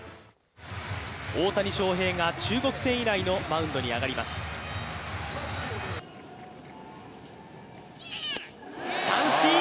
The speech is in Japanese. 大谷翔平が中国戦以来のマウンドに上がります三振！